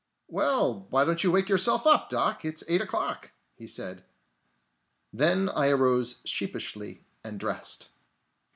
"Well, why don't you wake up yourself, Doc? It's eight o'clock," he said. Then I arose sheepishly, and dressed.